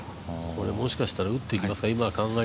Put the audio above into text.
もしかしたら打っていきますか。